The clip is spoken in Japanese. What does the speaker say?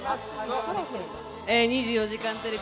『２４時間テレビ』